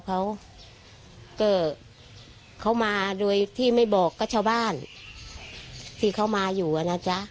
เขาก็เขามาโดยที่ไม่บอกก็ชาวบ้านที่เขามาอยู่อ่ะนะจ๊ะ